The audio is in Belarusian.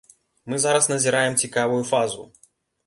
Мы зараз назіраем цікавую фазу.